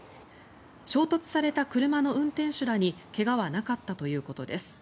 衝突された車の運転手らに怪我はなかったということです。